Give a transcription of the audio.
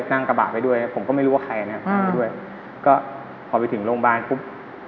นั่งกระบะไปด้วยผมก็ไม่รู้ว่าใครนะไปด้วยก็พอไปถึงโรงพยาบาลปุ๊บ